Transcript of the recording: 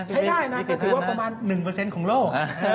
ใช้ได้นะก็ถือว่าประมาณ๑ของโลก